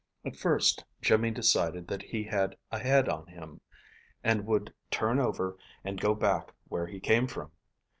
At first Jimmy decided that he had a head on him, and would turn over and go back where he came from.